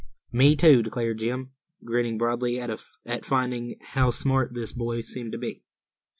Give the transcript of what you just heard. "Me tew," declared Jim, grinning broadly at finding how smart this boy seemed to be.